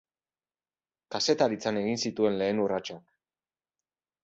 Kazetaritzan egin zituen lehen urratsak.